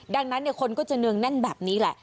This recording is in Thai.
ดังนั้นคนก็จะเนืองแน่นแบบนี้แหละ